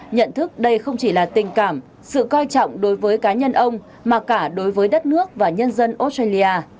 nhận thức đây không chỉ là tình cảm sự coi trọng đối với cá nhân ông mà cả đối với đất nước và nhân dân australia